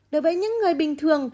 đối với những người bình thường